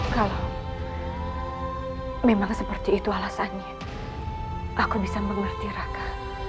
kalau memang seperti itu alasannya aku bisa mengerti raka